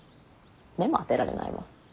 目も当てられないわ。